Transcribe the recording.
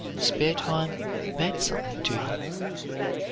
Spare time meant something to him.